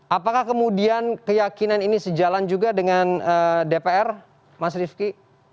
apakah kemudian keyakinan ini sejalan juga dengan dpr mas rifki